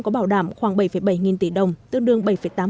có bảo đảm khoảng bảy bảy nghìn tỷ đồng tương đương bảy tám